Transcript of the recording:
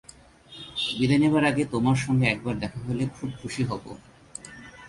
বিদায় নেবার আগে তোমার সঙ্গে একবার দেখা হলে খুব খুশী হব।